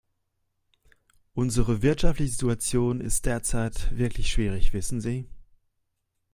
Unsere wirtschaftliche Situation ist derzeit wirklich schwierig, wissen Sie.